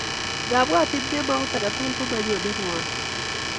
Ngabwatin kemout ake tukul ko manyone rwondo.